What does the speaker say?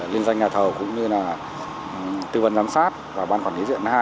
liên doanh nhà thầu cũng như tư vấn giám sát và ban quản lý dự án hai